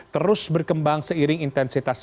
terus berkembang seiring intensitas